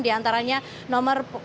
di antaranya nomor